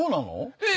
えっ！？